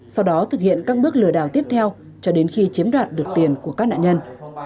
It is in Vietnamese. sau đó thực hiện các bước lừa đào tiếp theo cho đến khi chiếm đoạt được tiền của các nạn nhân